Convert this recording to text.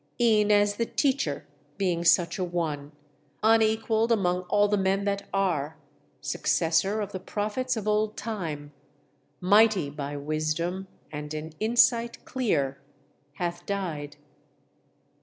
E'en as the teacher being such a one, Unequalled among all the men that are, Successor of the prophets of old time, Mighty by wisdom, and in insight clear Hath died!"